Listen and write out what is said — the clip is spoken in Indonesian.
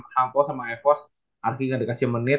hang tuas sama evos arkie ga dikasih menit